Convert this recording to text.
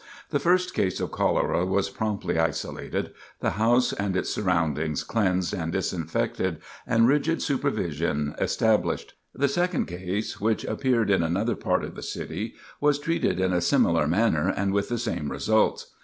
The first case of cholera was promptly isolated, the house and its surroundings cleansed and disinfected, and rigid supervision established. The second case, which appeared in another part of the city, was treated in a similar manner and with the same results.